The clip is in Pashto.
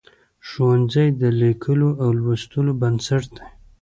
ښوونځی د لیکلو او لوستلو بنسټ دی.